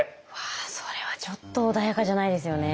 ああそれはちょっと穏やかじゃないですよね。